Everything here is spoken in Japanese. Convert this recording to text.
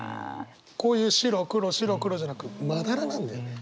こういう白黒白黒じゃなく斑なんだよね。